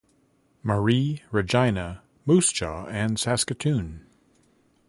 Marie, Regina, Moose Jaw and Saskatoon.